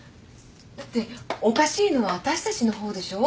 だっておかしいのは私たちの方でしょ？